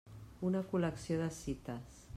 Una col·lecció de cites.